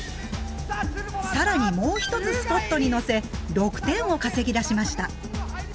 更にもう１つスポットにのせ６点を稼ぎ出しました。